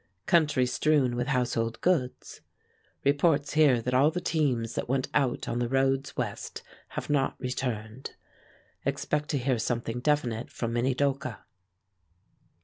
Country strewn with household goods. Reports here that all the teams that went out on the roads west have not returned. Expect to hear something definite from Minidoka.